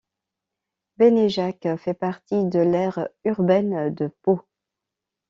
Bénéjacq fait partie de l'aire urbaine de Pau.